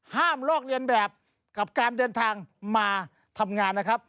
ลอกเรียนแบบกับการเดินทางมาทำงานนะครับ